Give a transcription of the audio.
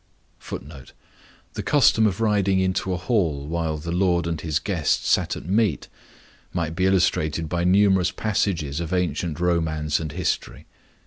[Footnote: The custom of riding into a hall while the lord and his guests sat at meat might be illustrated by numerous passages of ancient romance and history.